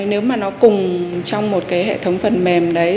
nếu mà nó cùng trong một cái hệ thống phần mềm đấy